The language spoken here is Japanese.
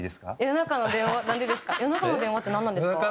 「夜中の電話」ってなんなんですか？